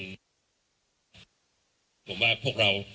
สำหรับผมว่าพวกเรา